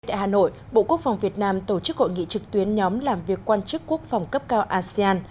tại hà nội bộ quốc phòng việt nam tổ chức hội nghị trực tuyến nhóm làm việc quan chức quốc phòng cấp cao asean